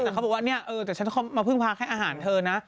แต่เขาบอกว่าเนี่ยเออแต่ฉันมาพึ่งพักให้อาหารเธอนะ